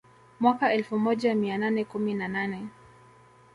Mwaka elfu moja mia nane kumi na nane